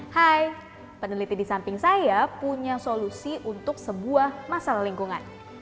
hai peneliti di samping saya punya solusi untuk sebuah masalah lingkungan